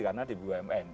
karena di bumn